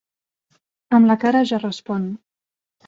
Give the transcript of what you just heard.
Amb la cara ja respon.